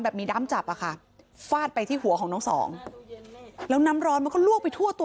มีด้ามจับอะค่ะฟาดไปที่หัวของน้องสองแล้วน้ำร้อนมันก็ลวกไปทั่วตัว